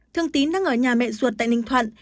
thương tín đang ở nhà mẹ ruột tại ninh thuận